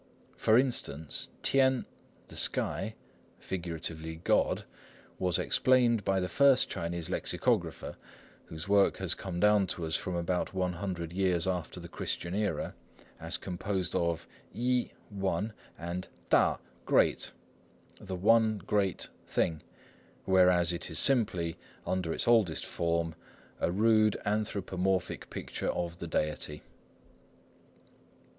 For instance, 天 "the sky," figuratively God, was explained by the first Chinese lexicographer, whose work has come down to us from about one hundred years after the Christian era, as composed of 一 "one" and 大 "great," the "one great" thing; whereas it was simply, under its oldest form, a rude anthropomorphic picture of the Deity.